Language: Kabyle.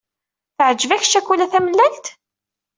Teɛǧeb-ak ccakula tamellalt?